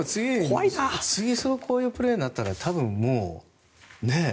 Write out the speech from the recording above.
次こういうプレーになったら多分もう。